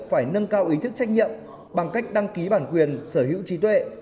phải nâng cao ý thức trách nhiệm bằng cách đăng ký bản quyền sở hữu trí tuệ